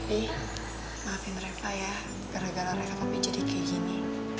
bi maafin reva ya gara gara reva jadi kayak gini